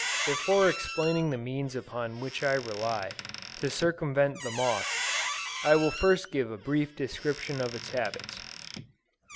Before explaining the means upon which I rely, to circumvent the moth, I will first give a brief description of its habits.